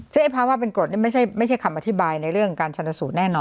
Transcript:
ซึ่งไอ้ภาวะเป็นกรดนี่ไม่ใช่คำอธิบายในเรื่องการชนสูตรแน่นอน